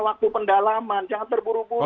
waktu pendalaman jangan terburu buru